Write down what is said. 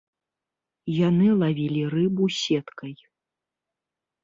Яны лавілі рыбу сеткай.